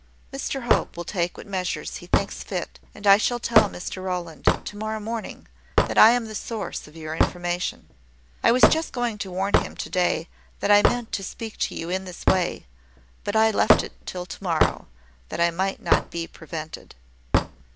Mr Hope will take what measures he thinks fit: and I shall tell Mr Rowland, tomorrow morning, that I am the source of your information. I was just going to warn him to day that I meant to speak to you in this way; but I left it till to morrow, that I might not be prevented."